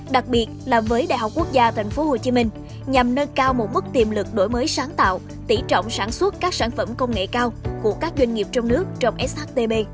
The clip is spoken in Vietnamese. đặc biệt là với đại học quốc gia tp hcm nhằm nâng cao một mức tiềm lực đổi mới sáng tạo tỉ trọng sản xuất các sản phẩm công nghệ cao của các doanh nghiệp trong nước trong shtp